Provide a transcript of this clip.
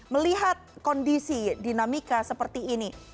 melihat kondisi dinamika seperti ini